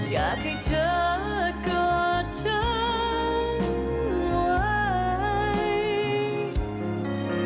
อยากให้เธอกอดเธอไว้